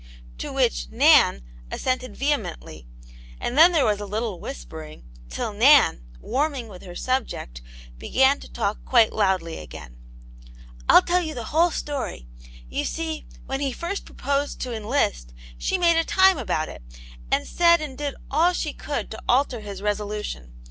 To which " Nan" assented vehemently, and then there was a little whispering, till Nan, warming with her subject, began to talk quite loudly again. " ril tell you the whole story. You see, when he first proposed to enlist, she made a time about it, and said and did all she could to alter his resolution.